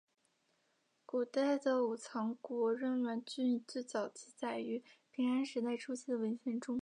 古代的武藏国荏原郡最早记载于平安时代初期的文献中。